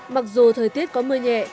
mặc dù thời tiết có mưa nhẹ